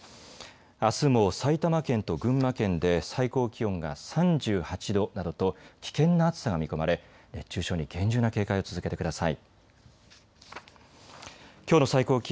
あすも埼玉県と群馬県で最高気温が３８度などと危険な暑さが見込まれ、熱中症に厳重な警戒を続けてください。